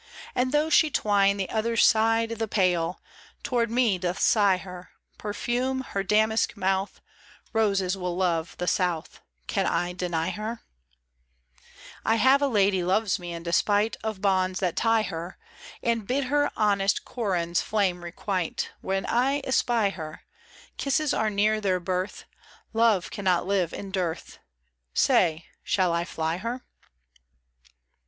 And, the' she twine the other side the pale. Toward me doth sigh her Perfume, her damask mouth — Roses will love the south — Can I deny her ? I have a lady loves me in despite Of bonds that tie her. And bid her honest Corin*s flame requite ; When I espy her, Kisses are near their birth — Love cannot live in dearth — Say, shall I fly her?